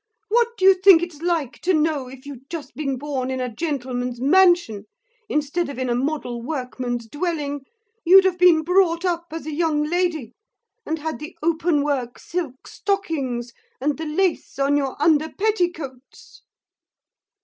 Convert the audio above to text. What you think it's like to know if you'd just been born in a gentleman's mansion instead of in a model workman's dwelling you'd have been brought up as a young lady and had the openwork silk stockings and the lace on your under petticoats.'